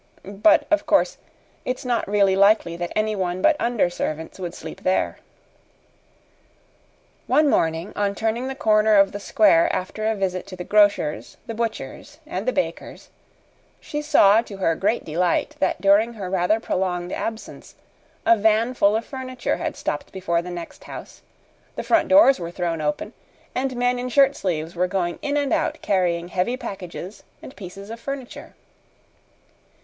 But, of course, it's not really likely that anyone but under servants would sleep there." One morning, on turning the corner of the square after a visit to the grocer's, the butcher's, and the baker's, she saw, to her great delight, that during her rather prolonged absence, a van full of furniture had stopped before the next house, the front doors were thrown open, and men in shirt sleeves were going in and out carrying heavy packages and pieces of furniture.